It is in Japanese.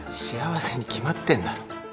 幸せに決まってんだろ」